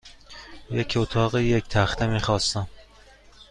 یک اتاق یک تخته میخواستم.